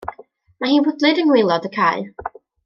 Mae hi'n fwdlyd yng ngwaelod y cae.